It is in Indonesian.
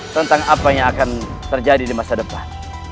tentang apa yang akan terjadi di masa depan